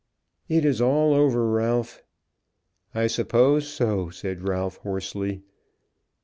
"It is all over, Ralph!" "I suppose so!" said Ralph, hoarsely.